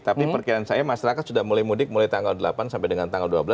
tapi perkiraan saya masyarakat sudah mulai mudik mulai tanggal delapan sampai dengan tanggal dua belas